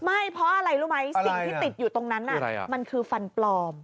ไม่เพราะอะไรรู้ไหมสิ่งที่ติดอยู่ตรงนั้นมันคือฟันปลอม